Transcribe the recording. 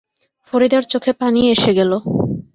ফরিদার চোখে পানি এসে গেল।